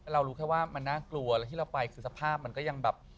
เรารู้แค่ว่ามันน่ากลัวแล้วที่เราไปคือสภาพมันก็ยังแบบ